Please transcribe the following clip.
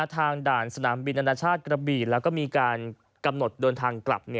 ด่านสนามบินอนาชาติกระบีแล้วก็มีการกำหนดเดินทางกลับ